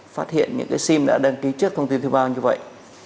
phát hiện những sim đã đăng ký trước thông tin thư bao như vậy